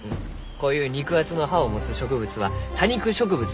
こういう肉厚な葉を持つ植物は多肉植物ゆうがじゃ。